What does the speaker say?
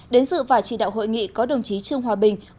đến dự và chỉ đạo hội nghị có đồng chí trương hòa bình